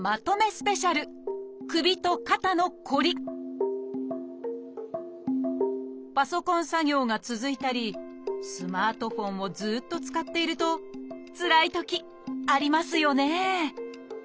スペシャルパソコン作業が続いたりスマートフォンをずっと使っているとつらいときありますよね